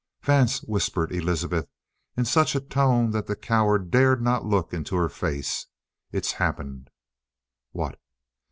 "Vance," whispered Elizabeth in such a tone that the coward dared not look into her face. "It's happened!" "What?"